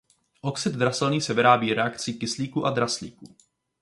Oxid draselný se vyrábí reakcí kyslíku a draslíku.